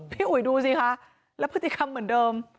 อุ๋ยดูสิคะแล้วพฤติกรรมเหมือนเดิม